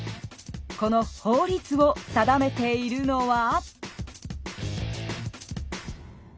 この法律を定めているのは？